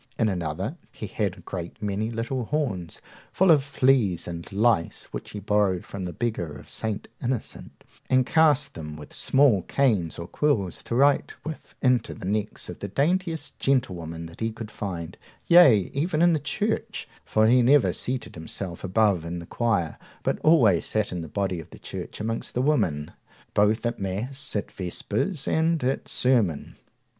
In another, he had a great many little horns full of fleas and lice, which he borrowed from the beggars of St. Innocent, and cast them with small canes or quills to write with into the necks of the daintiest gentlewomen that he could find, yea, even in the church, for he never seated himself above in the choir, but always sat in the body of the church amongst the women, both at mass, at vespers, and at sermon.